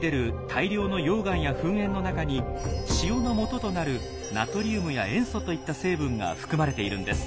大量の溶岩や噴煙の中に塩のもととなるナトリウムや塩素といった成分が含まれているんです。